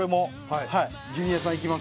蛍原：ジュニアさん、いきます？